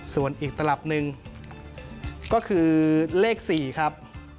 ส่วนอีกตลับหนึ่งก็คือเลข๔ครับ